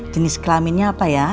jenis kelaminnya apa ya